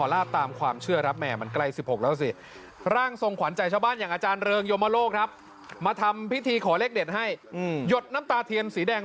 แล้วก็เชื่อว่าอาการของเจ้าพ่อเสือ